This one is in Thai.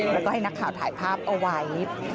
แล้วก็ให้นักข่าวถ่ายภาพเอาไว้